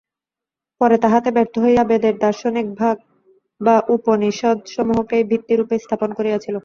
পরে তাহাতে ব্যর্থ হইয়া বেদের দার্শনিক ভাগ বা উপনিষদসমূহকেই ভিত্তিরূপে স্থাপন করিয়াছিল।